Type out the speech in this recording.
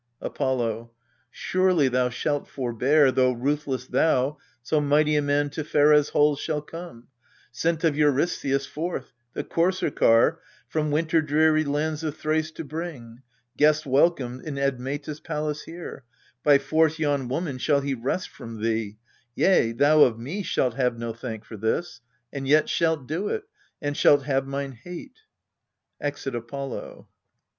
Apollo. Surely thou shalt forbear, though ruthless thou, So mighty a man to Pheres' halls shall come, Sent of Eurystheus forth, the courser car From winter dreary lands of Thrace to bring. Guest welcomed in Admetus' palace here, By force yon woman shall he wrest from thee. Yea, thou of me shalt have no thank for this, And yet shalt do it, and shalt have mine hate. \Exit APOLLO.